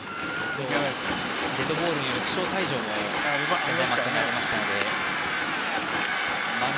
デッドボールによる負傷退場もありましたので。